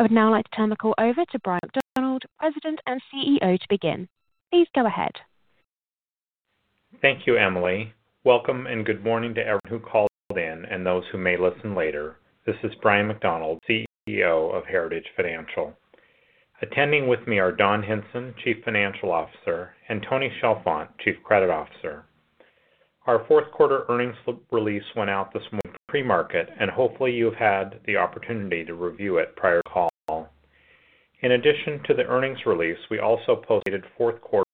I would now like to turn the call over to Bryan McDonald, President and CEO, to begin. Please go ahead. Thank you, Emily. Welcome and good morning to everyone who called in and those who may listen later. This is Bryan McDonald, CEO of Heritage Financial. Attending with me are Don Hinson, Chief Financial Officer, and Tony Chalfant, Chief Credit Officer. Our fourth quarter earnings release went out this morning pre-market, and hopefully you've had the opportunity to review it prior to the call. In addition to the earnings release, we also posted a fourth quarter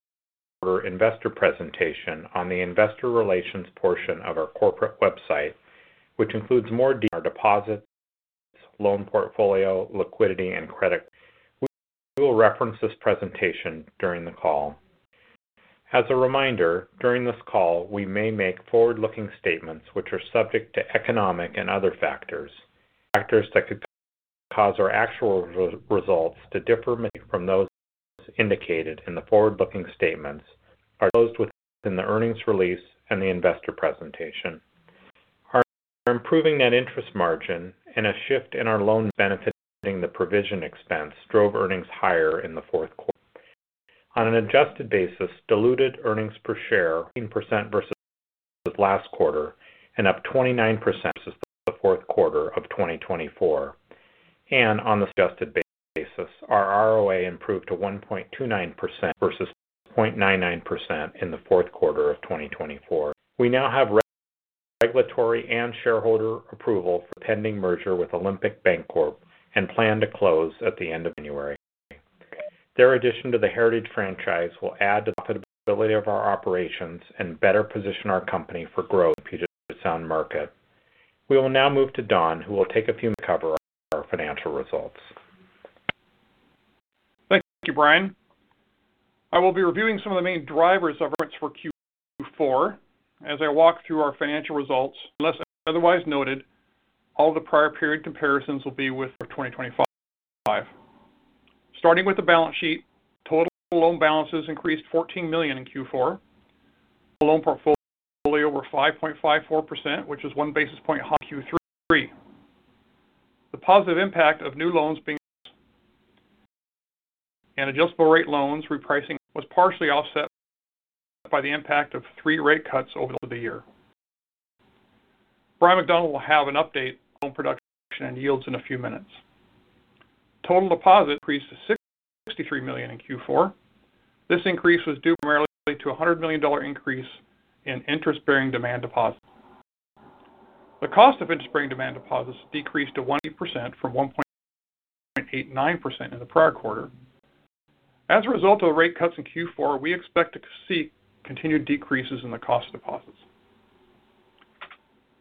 investor presentation on the investor relations portion of our corporate website, which includes more details on our deposits, loan portfolio, liquidity, and credit. We will reference this presentation during the call. As a reminder, during this call, we may make forward-looking statements which are subject to economic and other factors that could cause our actual results to differ from those indicated in the forward-looking statements, as exposed within the earnings release and the investor presentation. Our improving net interest margin and a shift in our loan benefits, including the provision expense, drove earnings higher in the fourth quarter. On an adjusted basis, diluted earnings per share were 18% versus last quarter and up 29% versus the fourth quarter of 2024, and on the adjusted basis, our ROA improved to 1.29% versus 0.99% in the fourth quarter of 2024. We now have regulatory and shareholder approval for the pending merger with Olympic Bancorp and plan to close at the end of January. Their addition to the Heritage franchise will add to the profitability of our operations and better position our company for growth in the future Puget Sound market. We will now move to Don, who will take a few minutes to cover our financial results. Thank you, Bryan. I will be reviewing some of the main drivers of our performance for Q4 as I walk through our financial results. Unless otherwise noted, all the prior period comparisons will be with 2025. Starting with the balance sheet, total loan balances increased $14 million in Q4. Loan portfolio grew 5.54%, which is one basis point higher than Q3. The positive impact of new loans being introduced and adjustable rate loans repricing was partially offset by the impact of three rate cuts over the year. Bryan McDonald will have an update on loan production and yields in a few minutes. Total deposits increased to $63 million in Q4. This increase was due primarily to a $100 million increase in interest-bearing demand deposits. The cost of interest-bearing demand deposits decreased to 1.8% from 1.89% in the prior quarter. As a result of the rate cuts in Q4, we expect to see continued decreases in the cost of deposits.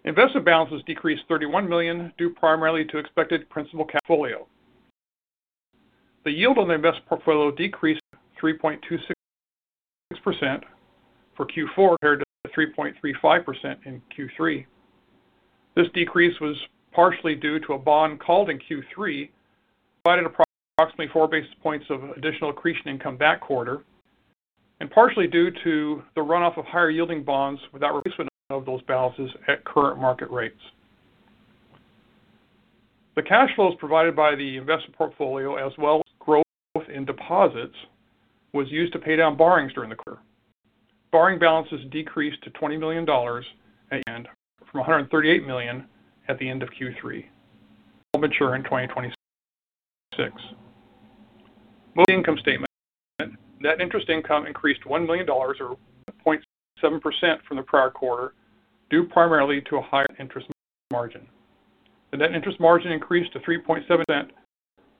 Investment balances decreased $31 million due primarily to expected principal portfolio. The yield on the investment portfolio decreased 3.26% for Q4 compared to 3.35% in Q3. This decrease was partially due to a bond called in Q3 provided approximately four basis points of additional accretion income that quarter and partially due to the runoff of higher yielding bonds without replacement of those balances at current market rates. The cash flows provided by the investment portfolio, as well as growth in deposits, were used to pay down borrowings during the quarter. Borrowing balances decreased to $20 million from $138 million at the end of Q3, all mature in 2026. Income statement, net interest income increased $1 million or 1.7% from the prior quarter due primarily to a higher interest margin. The net interest margin increased to 3.7%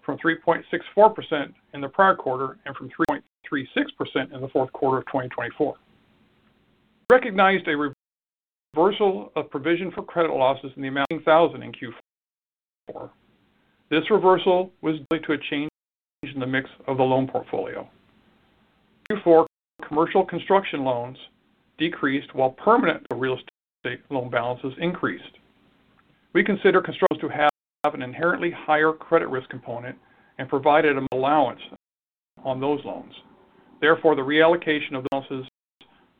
from 3.64% in the prior quarter and from 3.36% in the fourth quarter of 2024. We recognized a reversal of provision for credit losses in the amount of $18,000 in Q4. This reversal was due to a change in the mix of the loan portfolio. Q4, commercial construction loans decreased while permanent real estate loan balances increased. We consider construction to have an inherently higher credit risk component and provided an allowance on those loans. Therefore, the reallocation of the balances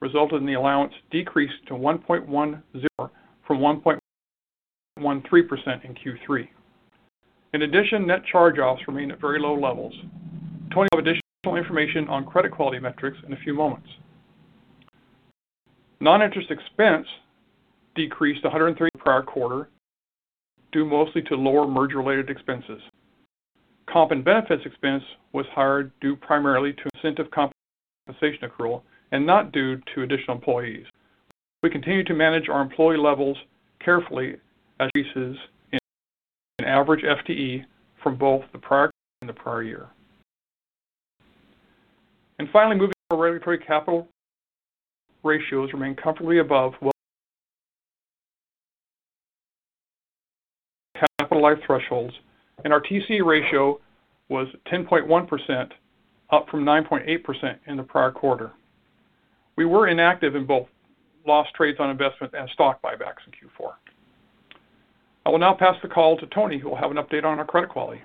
resulted in the allowance decreased to 1.10% from 1.13% in Q3. In addition, net charge-offs remain at very low levels. Tony will have additional information on credit quality metrics in a few moments. Non-interest expense decreased to 103% in the prior quarter due mostly to lower merger-related expenses. Comp and benefits expense was higher due primarily to incentive compensation accrual and not due to additional employees. We continue to manage our employee levels carefully as increases in average FTE from both the prior and the prior year. Finally, moving to our regulatory capital ratios, we remain comfortably above capital life thresholds, and our TCE ratio was 10.1%, up from 9.8% in the prior quarter. We were inactive in both loss trades on investment and stock buybacks in Q4. I will now pass the call to Tony, who will have an update on our credit quality.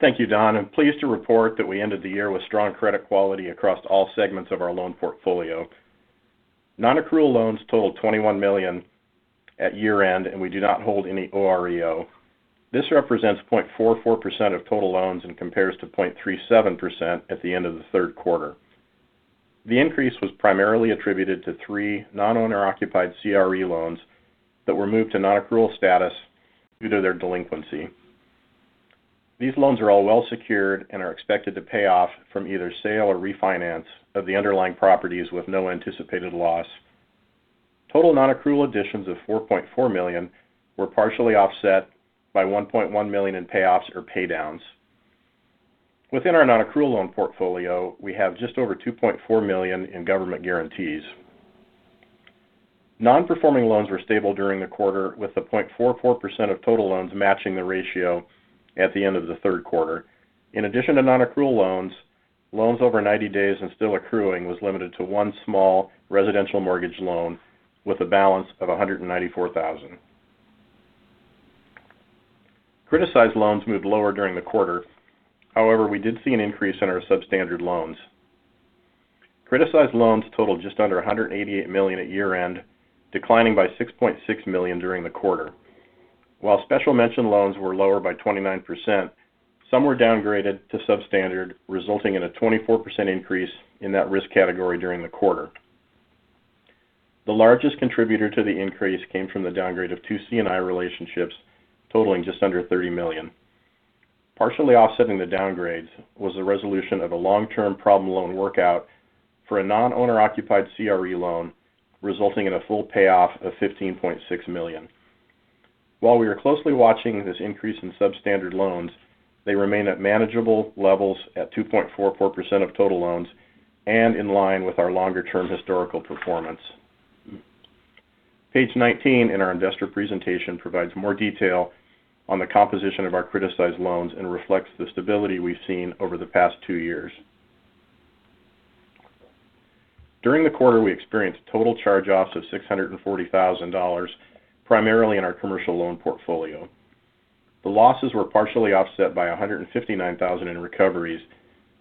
Thank you, Don. I'm pleased to report that we ended the year with strong credit quality across all segments of our loan portfolio. Non-accrual loans totaled $21 million at year-end, and we do not hold any OREO. This represents 0.44% of total loans and compares to 0.37% at the end of the third quarter. The increase was primarily attributed to three non-owner-occupied CRE loans that were moved to non-accrual status due to their delinquency. These loans are all well-secured and are expected to pay off from either sale or refinance of the underlying properties with no anticipated loss. Total non-accrual additions of $4.4 million were partially offset by $1.1 million in payoffs or paydowns. Within our non-accrual loan portfolio, we have just over $2.4 million in government guarantees. Non-performing loans were stable during the quarter, with 0.44% of total loans matching the ratio at the end of the third quarter. In addition to non-accrual loans, loans over 90 days and still accruing was limited to one small residential mortgage loan with a balance of $194,000. Criticized loans moved lower during the quarter. However, we did see an increase in our substandard loans. Criticized loans totaled just under $188 million at year-end, declining by $6.6 million during the quarter. While special mention loans were lower by 29%, some were downgraded to substandard, resulting in a 24% increase in that risk category during the quarter. The largest contributor to the increase came from the downgrade of two C&I relationships totaling just under $30 million. Partially offsetting the downgrades was the resolution of a long-term problem loan workout for a non-owner-occupied CRE loan, resulting in a full payoff of $15.6 million. While we are closely watching this increase in substandard loans, they remain at manageable levels at 2.44% of total loans and in line with our longer-term historical performance. Page 19 in our investor presentation provides more detail on the composition of our criticized loans and reflects the stability we've seen over the past two years. During the quarter, we experienced total charge-offs of $640,000 primarily in our commercial loan portfolio. The losses were partially offset by $159,000 in recoveries,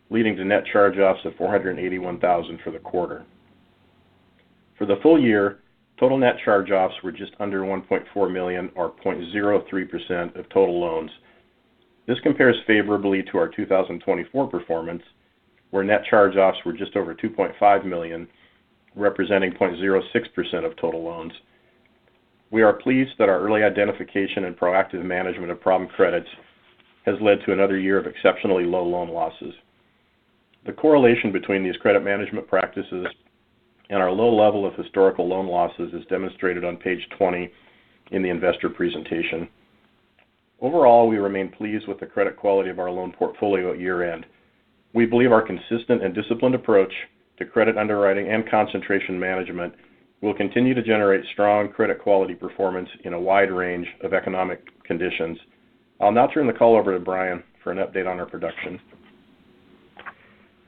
leading to net charge-offs of $481,000 for the quarter. For the full year, total net charge-offs were just under $1.4 million or 0.03% of total loans. This compares favorably to our 2024 performance, where net charge-offs were just over $2.5 million, representing 0.06% of total loans. We are pleased that our early identification and proactive management of problem credits has led to another year of exceptionally low loan losses. The correlation between these credit management practices and our low level of historical loan losses is demonstrated on page 20 in the investor presentation. Overall, we remain pleased with the credit quality of our loan portfolio at year-end. We believe our consistent and disciplined approach to credit underwriting and concentration management will continue to generate strong credit quality performance in a wide range of economic conditions. I'll now turn the call over to Bryan for an update on our production.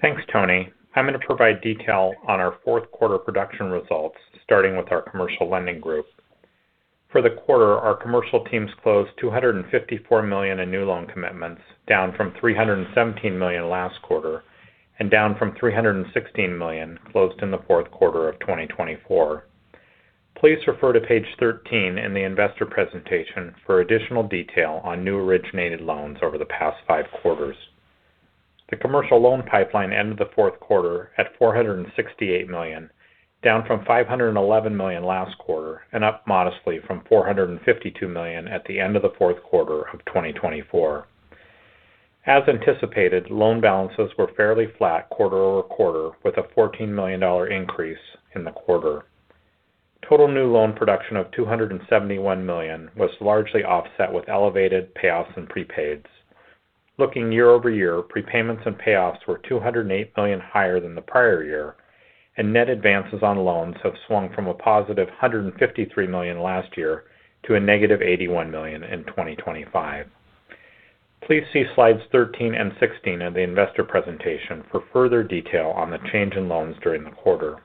Thanks, Tony. I'm going to provide detail on our fourth quarter production results, starting with our commercial lending group. For the quarter, our commercial teams closed $254 million in new loan commitments, down from $317 million last quarter and down from $316 million closed in the fourth quarter of 2024. Please refer to page 13 in the investor presentation for additional detail on new originated loans over the past five quarters. The commercial loan pipeline ended the fourth quarter at $468 million, down from $511 million last quarter and up modestly from $452 million at the end of the fourth quarter of 2024. As anticipated, loan balances were fairly flat quarter-over-quarter, with a $14 million increase in the quarter. Total new loan production of $271 million was largely offset with elevated payoffs and prepaids. Looking year-over-year, prepayments and payoffs were $208 million higher than the prior year, and net advances on loans have swung from a positive $153 million last year to a negative $81 million in 2025. Please see slides 13 and 16 of the investor presentation for further detail on the change in loans during the quarter.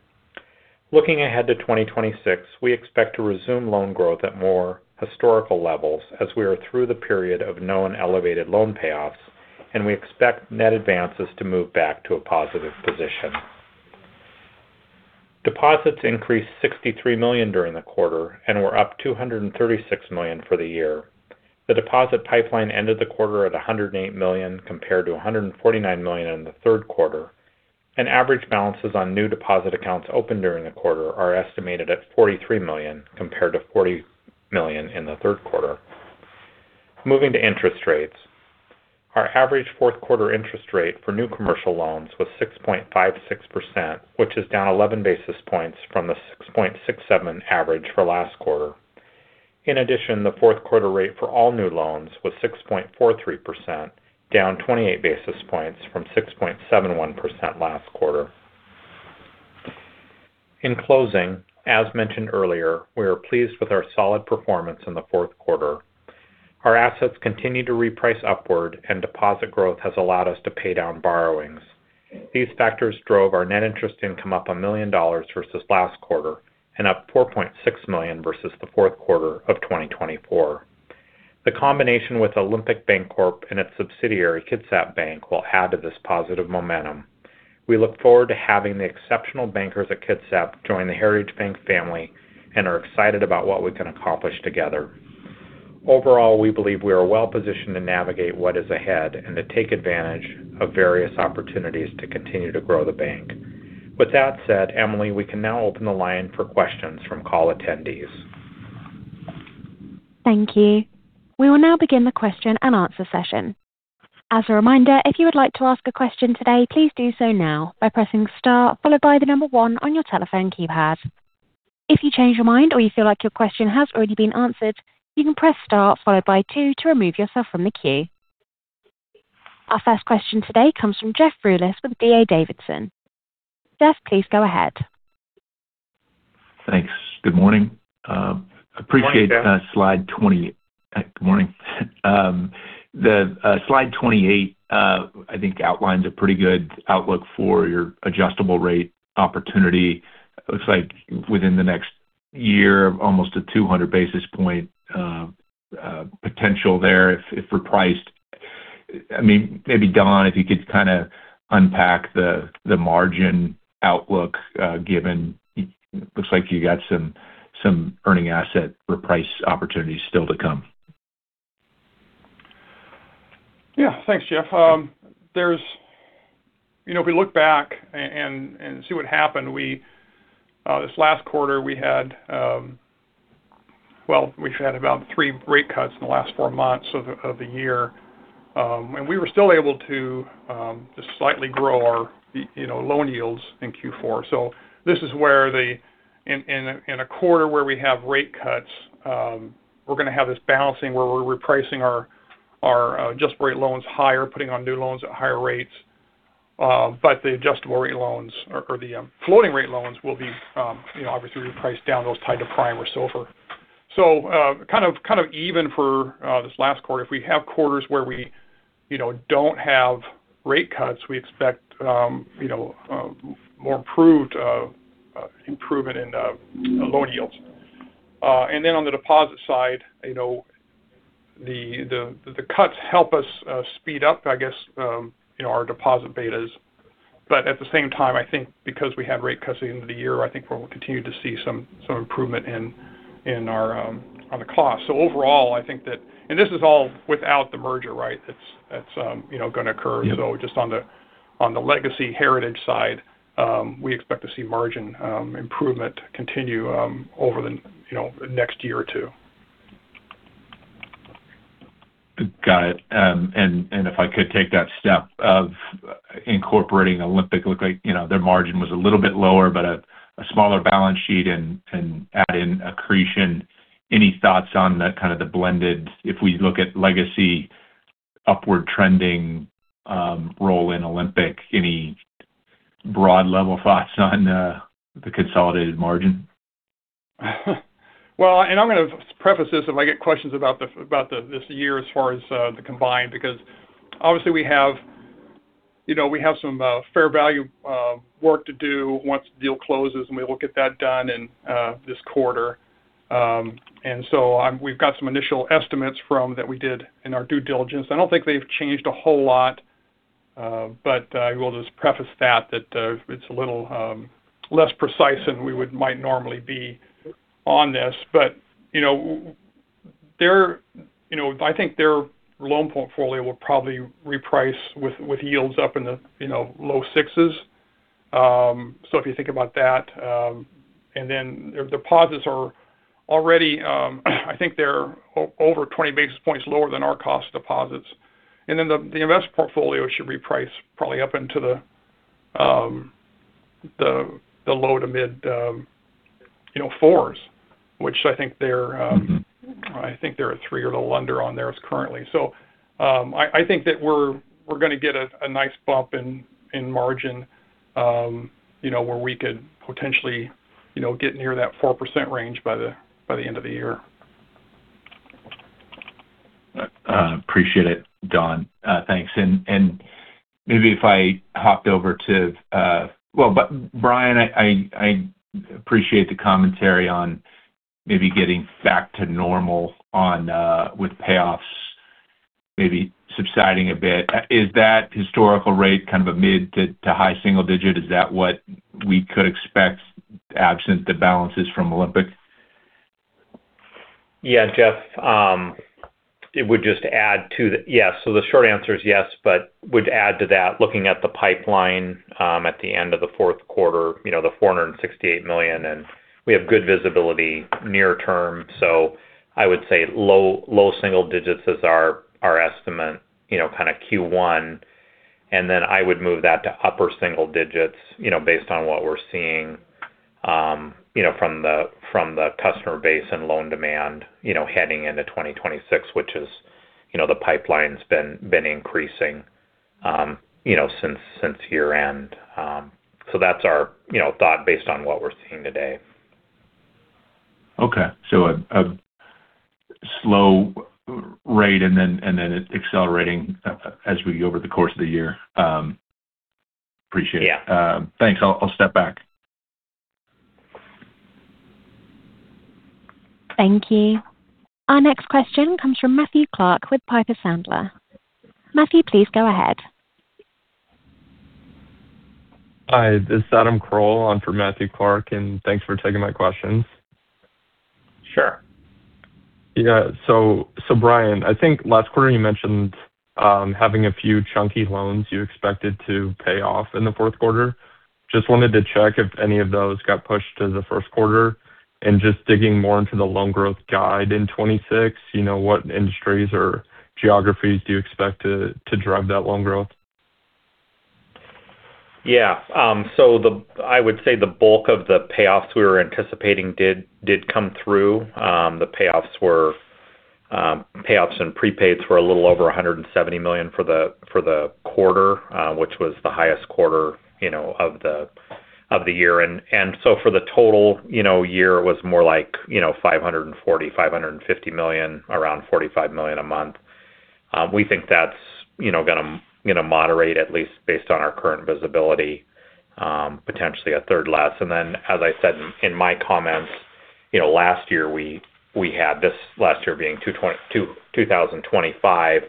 Looking ahead to 2026, we expect to resume loan growth at more historical levels as we are through the period of known elevated loan payoffs, and we expect net advances to move back to a positive position. Deposits increased $63 million during the quarter and were up $236 million for the year. The deposit pipeline ended the quarter at $108 million compared to $149 million in the third quarter, and average balances on new deposit accounts opened during the quarter are estimated at $43 million compared to $40 million in the third quarter. Moving to interest rates, our average fourth quarter interest rate for new commercial loans was 6.56%, which is down 11 basis points from the 6.67 average for last quarter. In addition, the fourth quarter rate for all new loans was 6.43%, down 28 basis points from 6.71% last quarter. In closing, as mentioned earlier, we are pleased with our solid performance in the fourth quarter. Our assets continue to reprice upward, and deposit growth has allowed us to pay down borrowings. These factors drove our net interest income up $1 million versus last quarter and up $4.6 million versus the fourth quarter of 2024. The combination with Olympic Bancorp and its subsidiary Kitsap Bank will add to this positive momentum. We look forward to having the exceptional bankers at Kitsap join the Heritage Bank family and are excited about what we can accomplish together. Overall, we believe we are well positioned to navigate what is ahead and to take advantage of various opportunities to continue to grow the bank. With that said, Emily, we can now open the line for questions from call attendees. Thank you. We will now begin the question and answer session. As a reminder, if you would like to ask a question today, please do so now by pressing star followed by the number one on your telephone keypad. If you change your mind or you feel like your question has already been answered, you can press star followed by two to remove yourself from the queue. Our first question today comes from Jeff Rulis with D.A. Davidson. Jeff, please go ahead. Thanks. Good morning. I appreciate slide 20. Good morning. The slide 28, I think, outlines a pretty good outlook for your adjustable rate opportunity. It looks like within the next year, almost a 200 basis point potential there if repriced. I mean, maybe Don, if you could kind of unpack the margin outlook given it looks like you got some earning asset reprice opportunities still to come. Yeah. Thanks, Jeff. If we look back and see what happened, this last quarter, we had, well, we've had about three rate cuts in the last four months of the year, and we were still able to just slightly grow our loan yields in Q4. So this is where the, in a quarter where we have rate cuts, we're going to have this balancing where we're repricing our adjustable rate loans higher, putting on new loans at higher rates, but the adjustable rate loans or the floating rate loans will be obviously repriced down, those tied to prime or SOFR. So kind of even for this last quarter, if we have quarters where we don't have rate cuts, we expect more improved improvement in loan yields. And then on the deposit side, the cuts help us speed up, I guess, our deposit betas. But at the same time, I think because we had rate cuts at the end of the year, I think we'll continue to see some improvement in our costs. So overall, I think that, and this is all without the merger, right, that's going to occur. So just on the legacy Heritage side, we expect to see margin improvement continue over the next year or two. Got it. And if I could take that step of incorporating Olympic, looks like their margin was a little bit lower, but a smaller balance sheet and add in accretion. Any thoughts on kind of the blended, if we look at legacy upward trending ROA in Olympic, any broad level thoughts on the consolidated margin? Well, and I'm going to preface this if I get questions about this year as far as the combined because obviously we have some fair value work to do once the deal closes, and we'll get that done in this quarter. And so we've got some initial estimates from that we did in our due diligence. I don't think they've changed a whole lot, but I will just preface that it's a little less precise than we might normally be on this. But I think their loan portfolio will probably reprice with yields up in the low sixes. So if you think about that, and then the deposits are already, I think they're over 20 basis points lower than our cost deposits. And then the investment portfolio should reprice probably up into the low to mid fours, which I think they're a three or a little under on there currently. So I think that we're going to get a nice bump in margin where we could potentially get near that 4% range by the end of the year. Appreciate it, Don. Thanks. And maybe if I hopped over to, well, Bryan, I appreciate the commentary on maybe getting back to normal with payoffs, maybe subsiding a bit. Is that historical rate kind of a mid to high single digit? Is that what we could expect absent the balances from Olympic? Yeah, Jeff. It would just add to the, yeah. So the short answer is yes, but would add to that looking at the pipeline at the end of the fourth quarter, the $468 million, and we have good visibility near term. So I would say low single digits is our estimate kind of Q1, and then I would move that to upper single digits based on what we're seeing from the customer base and loan demand heading into 2026, which is the pipeline's been increasing since year-end. So that's our thought based on what we're seeing today. Okay, so a slow rate and then accelerating as we go over the course of the year. Appreciate it. Thanks. I'll step back. Thank you. Our next question comes from Matthew Clark with Piper Sandler. Matthew, please go ahead. Hi. This is Adam Kroll on for Matthew Clark, and thanks for taking my questions. Sure. Yeah, so Bryan, I think last quarter you mentioned having a few chunky loans you expected to pay off in the fourth quarter. Just wanted to check if any of those got pushed to the first quarter, and just digging more into the loan growth guide in 2026, what industries or geographies do you expect to drive that loan growth? Yeah. So I would say the bulk of the payoffs we were anticipating did come through. The payoffs and prepaids were a little over $170 million for the quarter, which was the highest quarter of the year. And so for the total year, it was more like $540 million-$550 million, around $45 million a month. We think that's going to moderate, at least based on our current visibility, potentially a third less. And then, as I said in my comments, last year we had, this last year being 2025,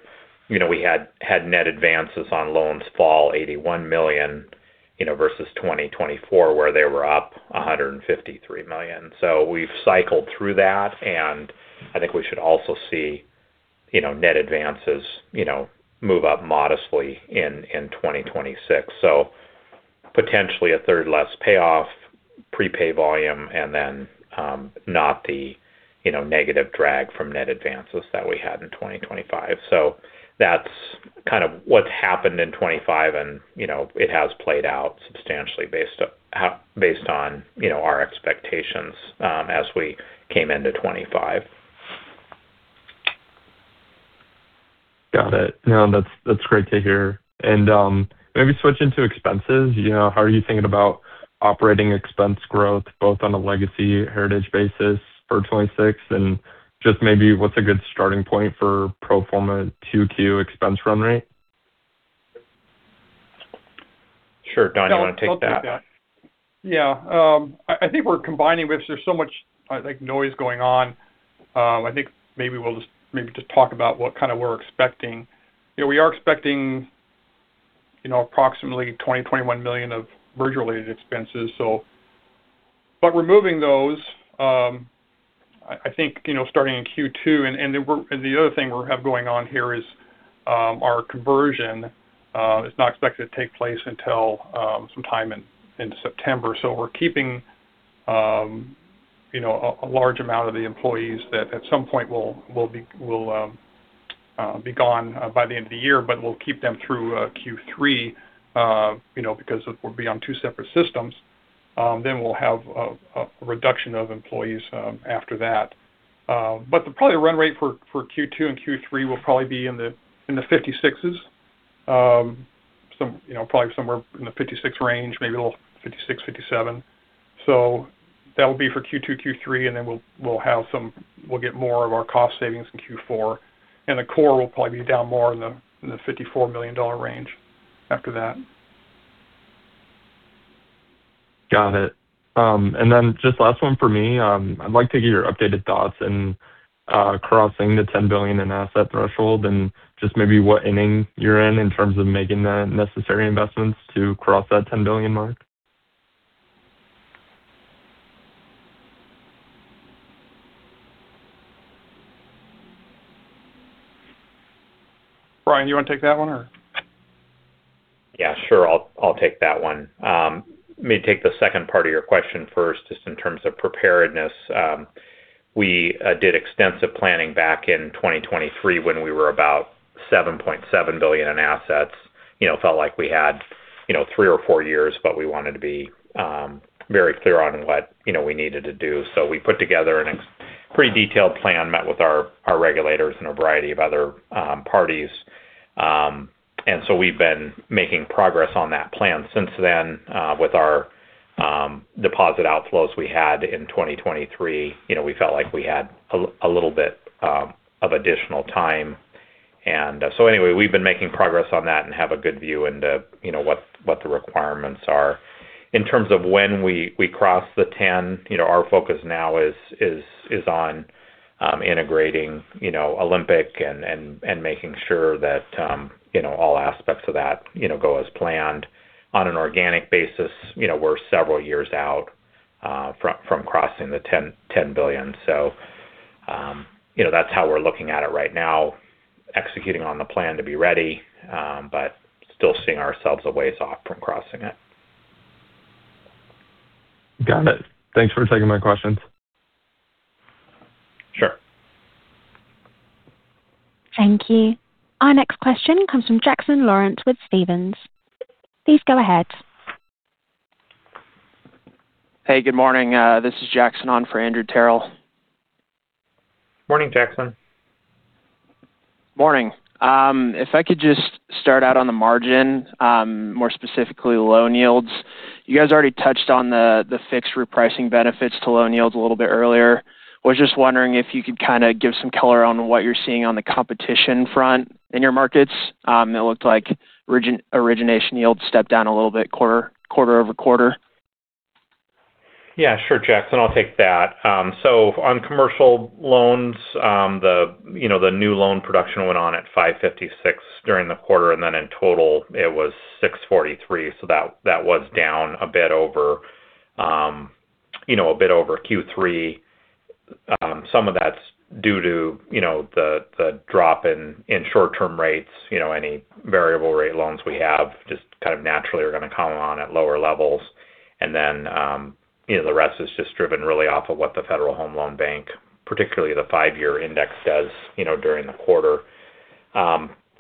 we had net advances on loans fall $81 million versus 2024, where they were up $153 million. So we've cycled through that, and I think we should also see net advances move up modestly in 2026. So potentially a third less payoff, prepay volume, and then not the negative drag from net advances that we had in 2025. So that's kind of what's happened in 2025, and it has played out substantially based on our expectations as we came into 2025. Got it. No, that's great to hear. And maybe switching to expenses, how are you thinking about operating expense growth both on a Legacy Heritage basis for 2026 and just maybe what's a good starting point for pro forma 2Q expense run rate? Sure. Don, you want to take that? Yeah. I think we're combining, which there's so much noise going on. I think maybe we'll just talk about what kind of we're expecting. We are expecting approximately $20 million-$21 million of merger-related expenses. But removing those, I think starting in Q2, and the other thing we have going on here is our conversion is not expected to take place until some time in September. So we're keeping a large amount of the employees that at some point will be gone by the end of the year, but we'll keep them through Q3 because we'll be on two separate systems. Then we'll have a reduction of employees after that. But probably the run rate for Q2 and Q3 will probably be in the 56s, probably somewhere in the 56 range, maybe a little 56, 57. That will be for Q2, Q3, and then we'll have some; we'll get more of our cost savings in Q4. The core will probably be down more in the $54 million range after that. Got it, and then just last one for me. I'd like to get your updated thoughts in crossing the $10 billion in asset threshold and just maybe what ending you're in in terms of making the necessary investments to cross that $10 billion mark. Bryan, you want to take that one or? Yeah, sure. I'll take that one. Maybe take the second part of your question first, just in terms of preparedness. We did extensive planning back in 2023 when we were about $7.7 billion in assets. Felt like we had three or four years, but we wanted to be very clear on what we needed to do. So we put together a pretty detailed plan, met with our regulators and a variety of other parties. And so we've been making progress on that plan since then with our deposit outflows we had in 2023. We felt like we had a little bit of additional time. And so anyway, we've been making progress on that and have a good view into what the requirements are. In terms of when we cross the $10 billion, our focus now is on integrating Olympic and making sure that all aspects of that go as planned. On an organic basis, we're several years out from crossing the $10 billion. So that's how we're looking at it right now, executing on the plan to be ready, but still seeing ourselves a ways off from crossing it. Got it. Thanks for taking my questions. Sure. Thank you. Our next question comes from Jackson Laurent with Stephens. Please go ahead. Hey, good morning. This is Jackson on for Andrew Terrell. Morning, Jackson. Morning. If I could just start out on the margin, more specifically loan yields. You guys already touched on the fixed repricing benefits to loan yields a little bit earlier. I was just wondering if you could kind of give some color on what you're seeing on the competition front in your markets. It looked like origination yields stepped down a little bit quarter-over-quarter. Yeah, sure, Jackson. I'll take that. So on commercial loans, the new loan production went on at 556 during the quarter, and then in total, it was 643. So that was down a bit over a bit over Q3. Some of that's due to the drop in short-term rates. Any variable rate loans we have just kind of naturally are going to come on at lower levels. And then the rest is just driven really off of what the Federal Home Loan Bank, particularly the five-year index, does during the quarter.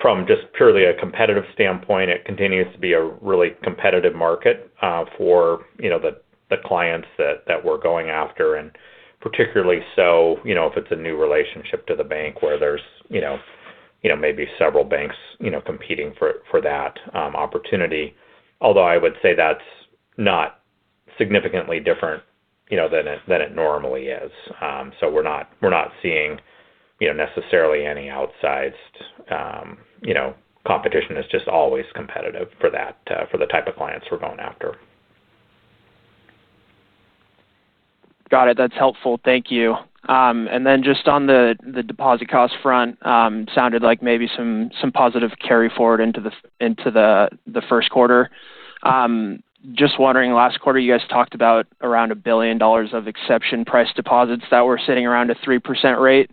From just purely a competitive standpoint, it continues to be a really competitive market for the clients that we're going after. And particularly so if it's a new relationship to the bank where there's maybe several banks competing for that opportunity. Although I would say that's not significantly different than it normally is. So we're not seeing necessarily any outsized competition. It's just always competitive for that, for the type of clients we're going after. Got it. That's helpful. Thank you. And then just on the deposit cost front, sounded like maybe some positive carry forward into the first quarter. Just wondering, last quarter, you guys talked about around $1 billion of exception price deposits that were sitting around a 3% rate.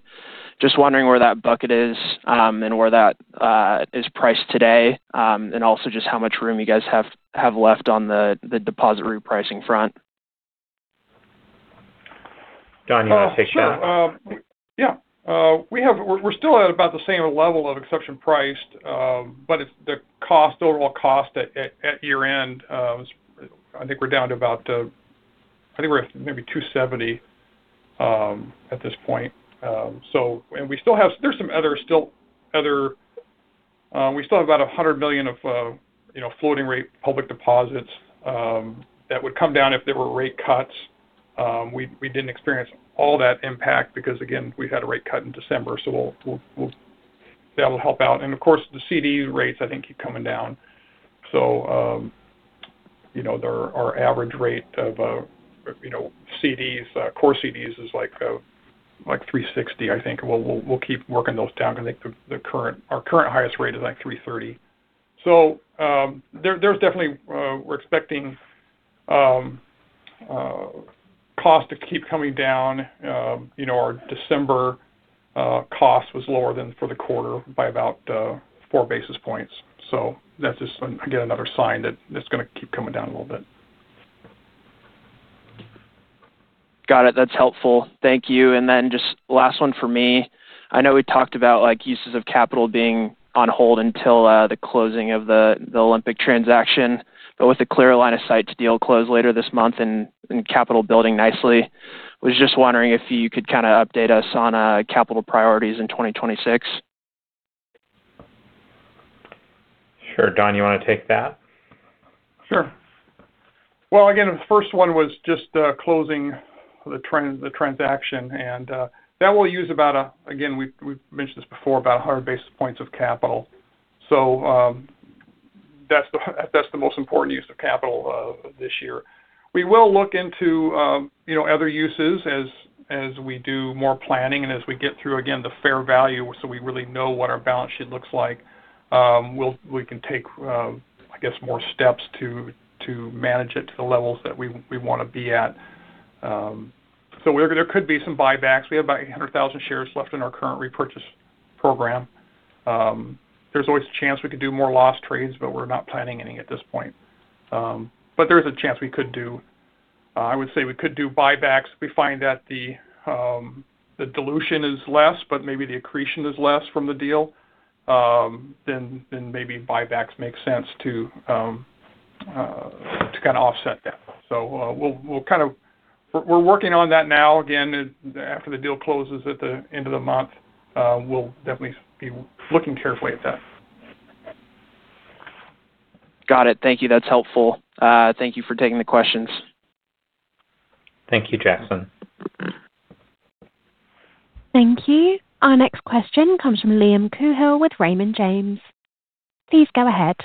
Just wondering where that bucket is and where that is priced today, and also just how much room you guys have left on the deposit repricing front. Don, you want to take that? Sure. Yeah. We're still at about the same level of exception priced, but the overall cost at year-end, I think we're down to about 270 at this point. And we still have some other. We still have about $100 million of floating rate public deposits that would come down if there were rate cuts. We didn't experience all that impact because, again, we had a rate cut in December. So that will help out. And of course, the CD rates, I think, keep coming down. So our average rate of CDs, core CDs, is like 360, I think. We'll keep working those down because I think our current highest rate is like 330. So there's definitely. We're expecting cost to keep coming down. Our December cost was lower than for the quarter by about four basis points. So that's just, again, another sign that it's going to keep coming down a little bit. Got it. That's helpful. Thank you and then just last one for me. I know we talked about uses of capital being on hold until the closing of the Olympic transaction, but with a clear line of sight to deal close later this month and capital building nicely, was just wondering if you could kind of update us on capital priorities in 2026? Sure. Don, you want to take that? Sure. Well, again, the first one was just closing the transaction, and that will use about a, again, we've mentioned this before, about 100 basis points of capital. That's the most important use of capital this year. We will look into other uses as we do more planning and as we get through, again, the fair value so we really know what our balance sheet looks like. We can take, I guess, more steps to manage it to the levels that we want to be at. There could be some buybacks. We have about 800,000 shares left in our current repurchase program. There's always a chance we could do more loss trades, but we're not planning any at this point. There is a chance we could do. I would say we could do buybacks. We find that the dilution is less, but maybe the accretion is less from the deal, then maybe buybacks make sense to kind of offset that, so we'll kind of, we're working on that now. Again, after the deal closes at the end of the month, we'll definitely be looking carefully at that. Got it. Thank you. That's helpful. Thank you for taking the questions. Thank you, Jackson. Thank you. Our next question comes from Liam Coohill with Raymond James. Please go ahead.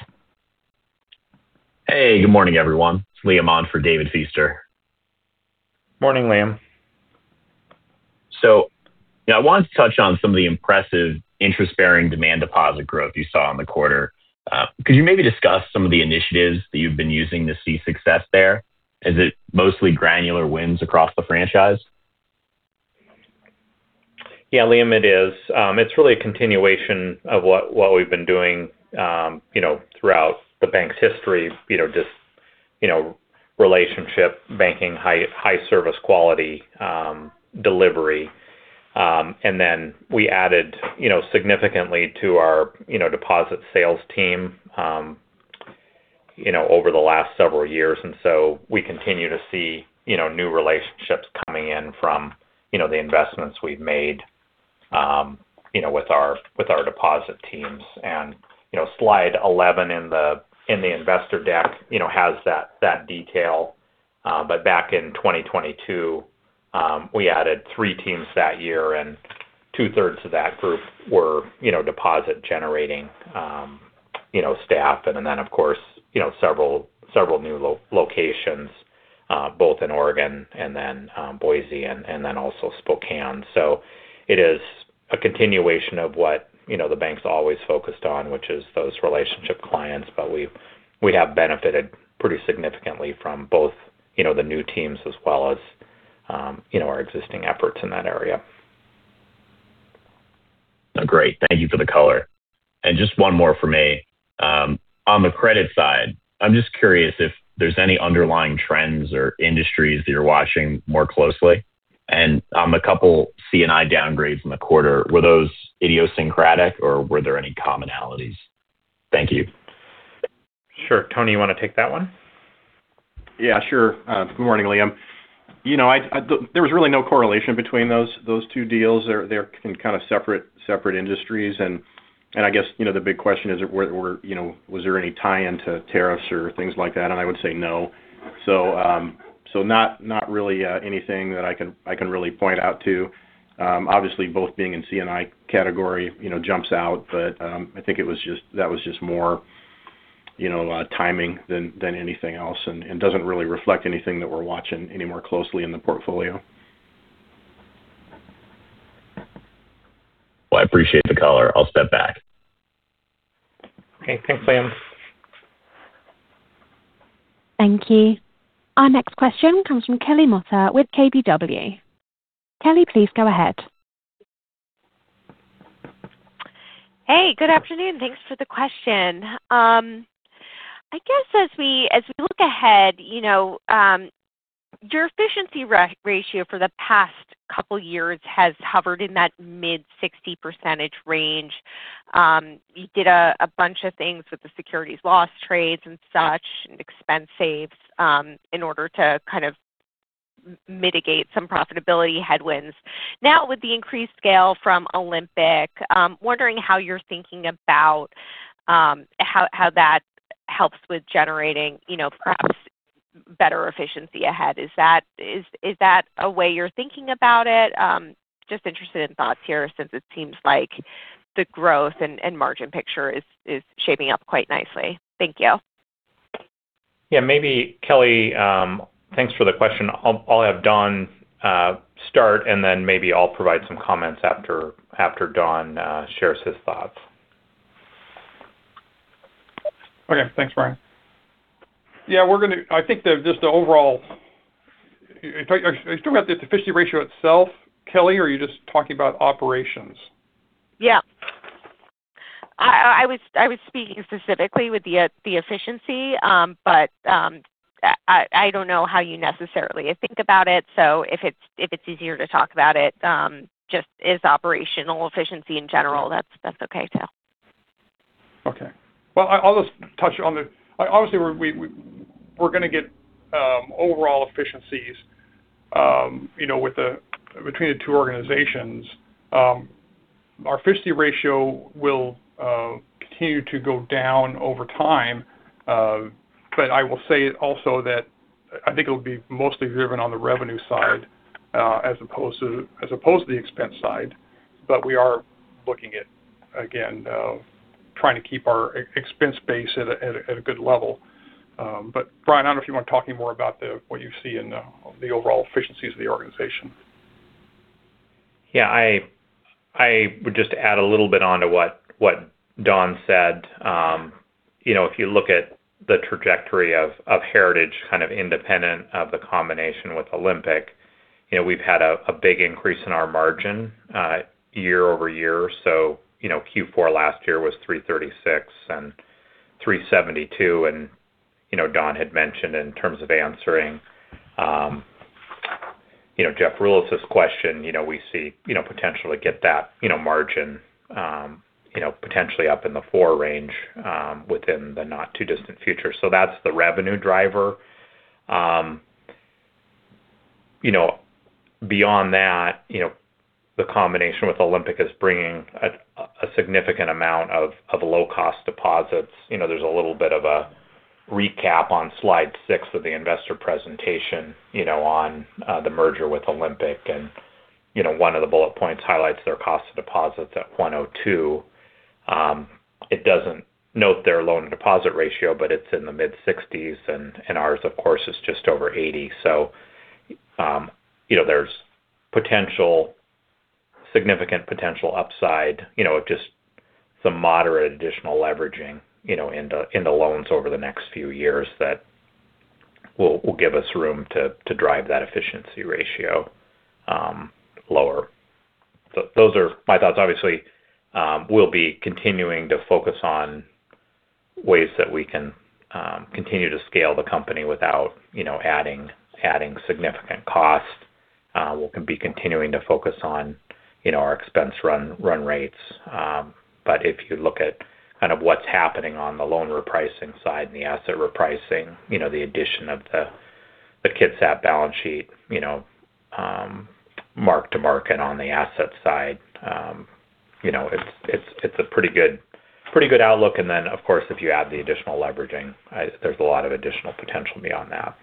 Hey, good morning, everyone. It's Liam on for David Feaster. Morning, Liam. So I wanted to touch on some of the impressive interest-bearing demand deposit growth you saw in the quarter. Could you maybe discuss some of the initiatives that you've been using to see success there? Is it mostly granular wins across the franchise? Yeah, Liam, it is. It's really a continuation of what we've been doing throughout the bank's history, just relationship banking, high service quality delivery. And then we added significantly to our deposit sales team over the last several years. And so we continue to see new relationships coming in from the investments we've made with our deposit teams. And slide 11 in the investor deck has that detail. But back in 2022, we added three teams that year, and two-thirds of that group were deposit-generating staff. And then, of course, several new locations, both in Oregon and then Boise and then also Spokane. So it is a continuation of what the bank's always focused on, which is those relationship clients. But we have benefited pretty significantly from both the new teams as well as our existing efforts in that area. Great. Thank you for the color. And just one more for me. On the credit side, I'm just curious if there's any underlying trends or industries that you're watching more closely. And on the couple C&I downgrades in the quarter, were those idiosyncratic or were there any commonalities? Thank you. Sure. Tony, you want to take that one? Yeah, sure. Good morning, Liam. There was really no correlation between those two deals. They're kind of separate industries, and I guess the big question is, was there any tie-in to tariffs or things like that, and I would say no, so not really anything that I can really point out to. Obviously, both being in C&I category jumps out, but I think it was just more timing than anything else and doesn't really reflect anything that we're watching any more closely in the portfolio. I appreciate the color. I'll step back. Okay. Thanks, Liam. Thank you. Our next question comes from Kelly Motta with KBW. Kelly, please go ahead. Hey, good afternoon. Thanks for the question. I guess as we look ahead, your efficiency ratio for the past couple of years has hovered in that mid-60% range. You did a bunch of things with the securities loss trades and such and expense saves in order to kind of mitigate some profitability headwinds. Now, with the increased scale from Olympic, wondering how you're thinking about how that helps with generating perhaps better efficiency ahead. Is that a way you're thinking about it? Just interested in thoughts here since it seems like the growth and margin picture is shaping up quite nicely. Thank you. Yeah. Maybe, Kelly, thanks for the question. I'll have Don start, and then maybe I'll provide some comments after Don shares his thoughts. Okay. Thanks, Bryan. Yeah, we're going to, I think, just the overall. I still got the efficiency ratio itself. Kelly, are you just talking about operations? Yeah. I was speaking specifically with the efficiency, but I don't know how you necessarily think about it. So if it's easier to talk about it, just as operational efficiency in general, that's okay too. Okay. Well, I'll just touch on the obvious. We're going to get overall efficiencies between the two organizations. Our efficiency ratio will continue to go down over time. But I will say also that I think it'll be mostly driven on the revenue side as opposed to the expense side. But we are looking at, again, trying to keep our expense base at a good level. But, Bryan, I don't know if you want to talk any more about what you see in the overall efficiencies of the organization. Yeah. I would just add a little bit on to what Don said. If you look at the trajectory of Heritage kind of independent of the combination with Olympic, we've had a big increase in our margin year-over-year. So Q4 last year was 336 and 372. And Don had mentioned in terms of answering Jeff Rulis's question, we see potentially get that margin potentially up in the 4 range within the not-too-distant future. So that's the revenue driver. Beyond that, the combination with Olympic is bringing a significant amount of low-cost deposits. There's a little bit of a recap on slide six of the investor presentation on the merger with Olympic. And one of the bullet points highlights their cost of deposits at 102. It doesn't note their loan and deposit ratio, but it's in the mid-60s. And ours, of course, is just over 80. So there's significant potential upside of just some moderate additional leveraging in the loans over the next few years that will give us room to drive that efficiency ratio lower. So those are my thoughts. Obviously, we'll be continuing to focus on ways that we can continue to scale the company without adding significant cost. We'll be continuing to focus on our expense run rates. But if you look at kind of what's happening on the loan repricing side and the asset repricing, the addition of the Kitsap balance sheet mark to market on the asset side, it's a pretty good outlook. And then, of course, if you add the additional leveraging, there's a lot of additional potential beyond that.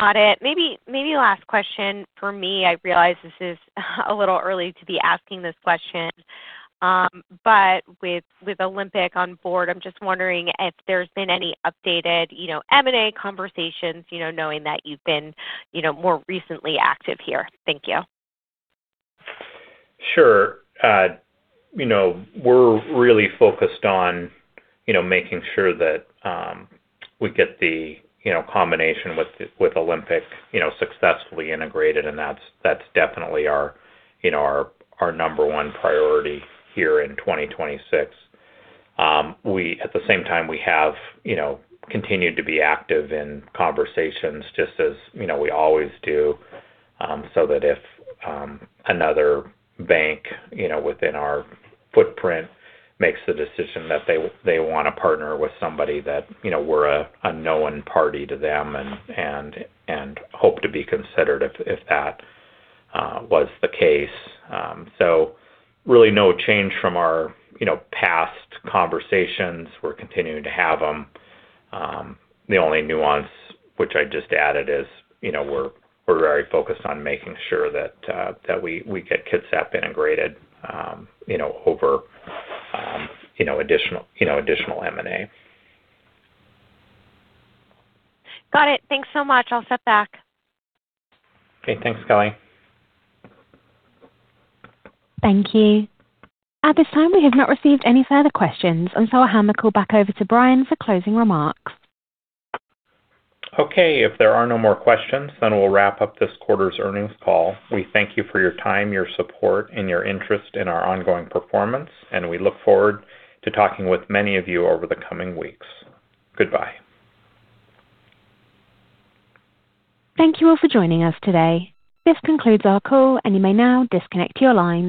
Got it. Maybe last question for me. I realize this is a little early to be asking this question. But with Olympic on board, I'm just wondering if there's been any updated M&A conversations knowing that you've been more recently active here? Thank you. Sure. We're really focused on making sure that we get the combination with Olympic successfully integrated, and that's definitely our number one priority here in 2026. At the same time, we have continued to be active in conversations just as we always do so that if another bank within our footprint makes the decision that they want to partner with somebody, that we're a known party to them and hope to be considered if that was the case, so really no change from our past conversations. We're continuing to have them. The only nuance, which I just added, is we're very focused on making sure that we get Kitsap integrated over additional M&A. Got it. Thanks so much. I'll step back. Okay. Thanks, Kelly. Thank you. At this time, we have not received any further questions. And so I'll hand the call back over to Bryan for closing remarks. Okay. If there are no more questions, then we'll wrap up this quarter's earnings call. We thank you for your time, your support, and your interest in our ongoing performance, and we look forward to talking with many of you over the coming weeks. Goodbye. Thank you all for joining us today. This concludes our call, and you may now disconnect your line.